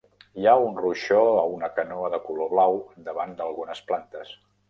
Hi ha un ruixó a una canoa de color blau davant d"algunes plantes.